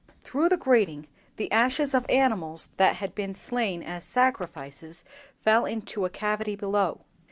"Through the grating the ashes of animals that had been slain as sacrifices fell into a cavity below.